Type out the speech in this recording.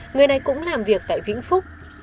người này cũng làm việc tại vĩnh phúc